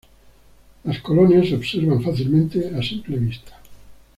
Las colonias, se observan fácilmente a simple vista.